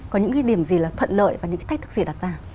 có những cái điểm gì là thuận lợi và những cái thách thức gì đặt ra